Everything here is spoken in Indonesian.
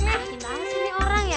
sakit banget sih ini orang ya